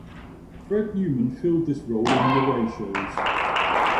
Fred Newman filled this role in the away shows.